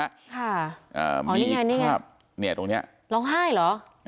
ค่ะอ๋อนี่ไงนี่ไงมีอีกภาพเนี้ยตรงเนี้ยร้องไห้เหรออ่า